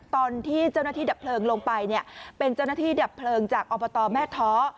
ตอนที่เจ้าหน้าที่ดับเพลิงลงไปเนี่ยเป็นเจ้าหน้าที่ดับเพลิงจากอบตแม่ท้อ